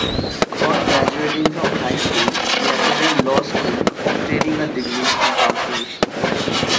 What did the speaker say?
Upon graduating from high school, he attended law school, obtaining a degree in translation.